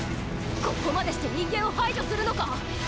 ここまでして人間を排除するのか？